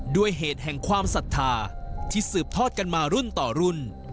ด้วยเหตุแห่งความศรัทธาที่สืบทอดกันมารุ่นต่อรุ่น